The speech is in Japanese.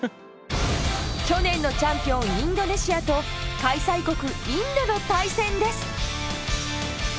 去年のチャンピオンインドネシアと開催国インドの対戦です！